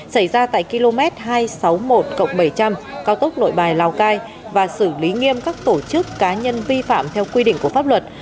xảy ra tại km hai trăm sáu mươi một bảy trăm linh cao tốc nội bài lào cai và xử lý nghiêm các tổ chức cá nhân vi phạm theo quy định của pháp luật